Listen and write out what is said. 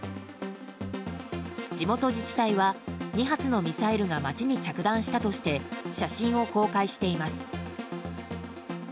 地元自治体は２発のミサイルが街に着弾したとして写真を公開しています。